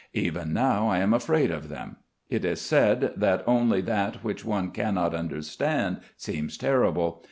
Even now I am afraid of them. It is said that only that which one cannot understand seems terrible.